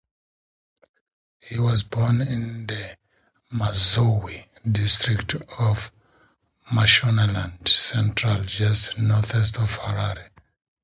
He was born in the Mazowe district of Mashonaland Central, just northeast of Harare.